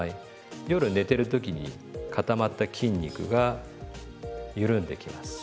夜寝てる時に固まった筋肉が緩んできます。